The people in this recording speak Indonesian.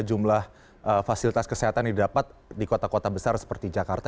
jumlah fasilitas kesehatan didapat di kota kota besar seperti jakarta